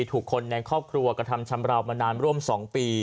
ถูกคนในครอบครัวกระทำชำราวมานานร่วม๒ปี